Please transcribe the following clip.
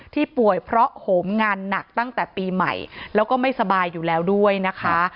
ป่วยเพราะโหมงานหนักตั้งแต่ปีใหม่แล้วก็ไม่สบายอยู่แล้วด้วยนะคะ